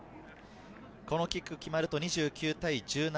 このキックが決まると２９対１７。